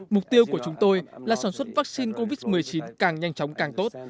mục tiêu của chúng tôi là sản xuất vaccine covid một mươi chín càng nhanh chóng càng tốt